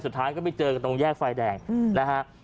สุดท้ายก็ไปเจอกันตรงแยกไฟแดงนะฮะ